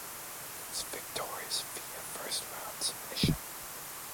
He was victorious via first round submission.